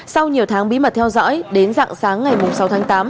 sau nhiều tháng bí mật theo dõi đến dạng sáng ngày sáu tháng tám